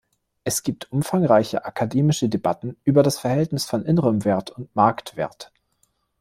Es gibt umfangreiche akademische Debatten über das Verhältnis von innerem Wert und Marktwert.